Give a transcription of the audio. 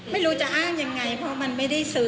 ไม่รู้จะอ้างยังไงเพราะมันไม่ได้ซื้อ